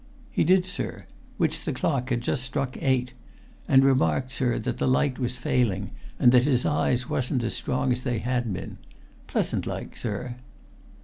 "He did, sir. Which the clock had just struck eight. And remarked, sir, that the light was failing, and that his eyes wasn't as strong as they had been. Pleasant like, sir."